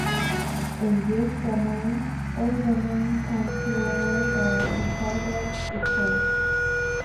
In these domains, all domain controllers are considered equals.